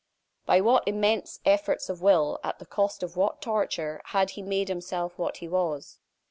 By what immense efforts of will, at the cost of what torture, had he made himself what he was?